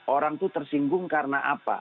orang itu tersinggung karena apa